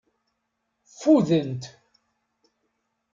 Ffudent.